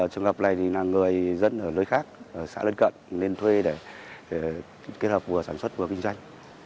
trường hợp này là người dân ở nơi khác xã lân cận lên thuê để kết hợp vừa sản xuất vừa kinh doanh